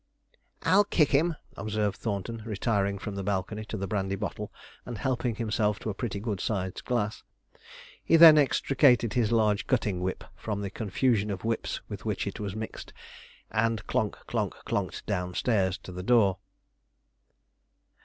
'I'll kick him,' observed Thornton, retiring from the balcony to the brandy bottle, and helping himself to a pretty good sized glass. He then extricated his large cutting whip from the confusion of whips with which it was mixed, and clonk, clonk, clonked downstairs to the door.